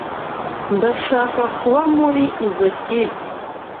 Ndashaka kuba muri izoi kipe.